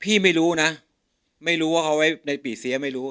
ไม่รู้นะไม่รู้ว่าเขาไว้ในปีเสียไม่รู้